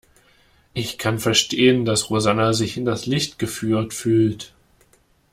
Ich kann verstehen, dass Rosanna sich hinters Licht geführt fühlt.